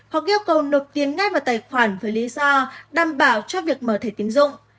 hoặc yêu cầu nộp tiền ngay vào tài khoản với lý do đảm bảo cho việc mở thẻ tiến dụng